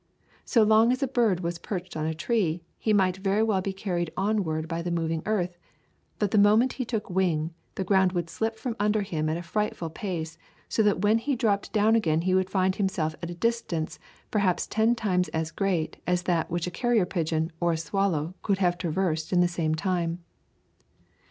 So long as a bird was perched on a tree, he might very well be carried onward by the moving earth, but the moment he took wing, the ground would slip from under him at a frightful pace, so that when he dropped down again he would find himself at a distance perhaps ten times as great as that which a carrier pigeon or a swallow could have traversed in the same time.